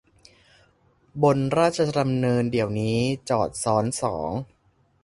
บนราชดำเนินเดี๋ยวนี้ จอดซ้อนสอง